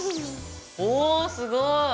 おおすごい！